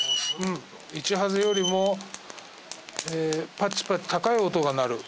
「１ハゼよりもパチパチ高い音が鳴る」